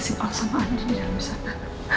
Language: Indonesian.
gimana nasib al sama andin di dalam sana